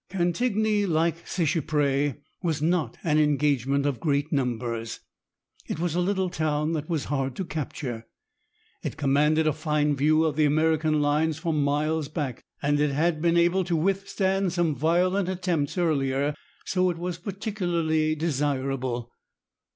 Cantigny, like Seicheprey, was not an engagement of great numbers. It was a little town that was hard to capture. It commanded a fine view of the American lines for miles back, and it had been able to withstand some violent attempts earlier, so it was particularly desirable.